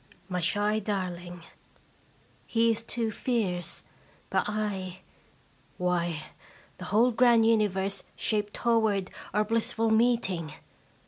My shy darling ! He is too fierce, but / why, the whole grand universe shaped toward ottr blissful meeting